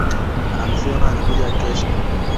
Amesema anakuja kesho.